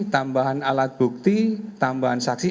tambahan alat bukti tambahan saksi